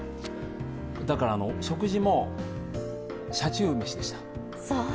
だから食事も車中飯でした。